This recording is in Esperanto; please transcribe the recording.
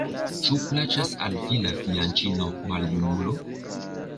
Ĉu plaĉas al vi la fianĉino, maljunulo?